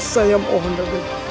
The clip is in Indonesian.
saya mohon raden